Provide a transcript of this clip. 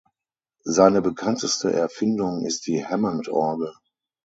Seine bekannteste Erfindung ist die Hammond-Orgel.